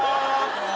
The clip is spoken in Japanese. もう！